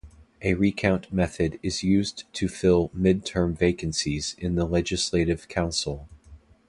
A recount method is used to fill mid-term vacancies in the Legislative Council.